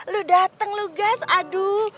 lu datang lu gas aduh